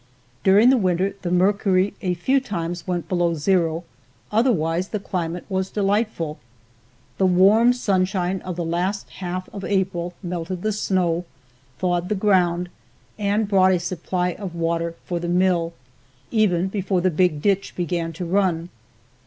During the winter the mercury a few times went below zero; otherwise the climate was delightful. The warm sunshine of the last half of April melted the snow, thawed the ground and brought a supply of water for the mill, even before the big ditch began to run.